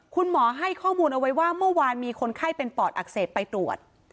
คุณหมอให้ข้อมูลเอาไว้ว่าเมื่อวานมีคนไข้เป็นปอดอักเสบไปตรวจ